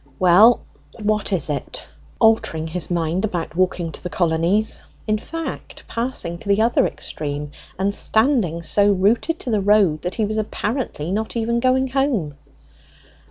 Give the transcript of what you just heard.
"Well, what is it?" said Dick, altering his mind about walking to the Colonies; in fact, passing to the other extreme, and standing so rooted to the road that he was apparently not even going home.